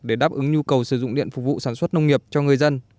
để đáp ứng nhu cầu sử dụng điện phục vụ sản xuất nông nghiệp cho người dân